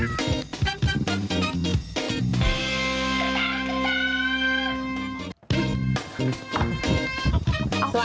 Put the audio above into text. สวัสดีค่ะ